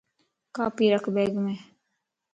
کاپي رک بيگ ام